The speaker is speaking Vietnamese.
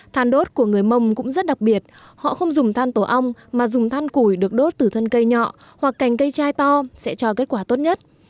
than đốt của người mông cũng rất đặc biệt họ không dùng than tổ ong mà dùng than củi được đốt từ thân cây nhọ hoặc cành cây chai to sẽ cho kết quả tốt nhất